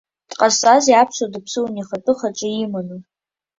Дҟазҵазеи аԥсуа даԥсуаны, ихатәы хаҿы иманы?